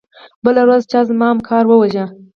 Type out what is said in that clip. بله ورځ چا زما همکار وواژه.